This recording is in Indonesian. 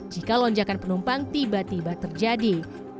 jika lonjakan penumpang tiba tiba terjadi